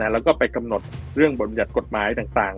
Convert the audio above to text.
แล้วก็ไปกำหนดเรื่องบริหารกฎหมายต่างต่าง